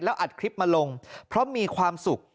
อัดคลิปมาลงเพราะมีความสุข